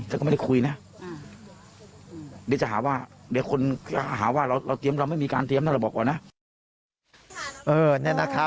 แต่ก็ไม่ได้คุยนะเดี๋ยวจะหาว่าเดี๋ยวคนหาว่าเราเตรียมเราไม่มีการเตรียมนั่นเราบอกก่อนนะ